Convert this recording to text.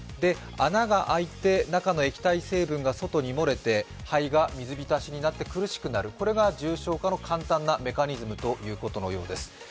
穴が開いて中の液体成分が外に漏れて肺が水浸しになって苦しくなる、これが重症化の簡単なメカニズムということのようです。